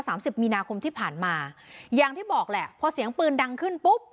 สิบมีนาคมที่ผ่านมาอย่างที่บอกแหละพอเสียงปืนดังขึ้นปุ๊บ